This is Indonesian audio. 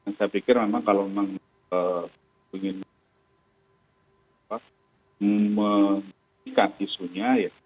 dan saya pikir memang kalau memang ingin menjelaskan isunya ya